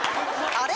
あれ？